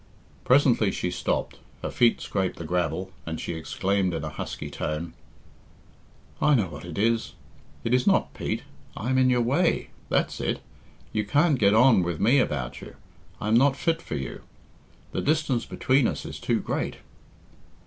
. Presently she stopped, her feet scraped the gravel, and she exclaimed in a husky tone, "I know what it is. It is not Pete. I am in your way. That's it. You can't get on with me about you. I am not fit for you. The distance between us is too great."